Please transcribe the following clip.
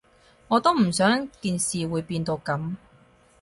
我都唔想件事會變到噉